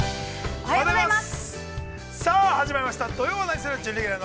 ◆おはようございます。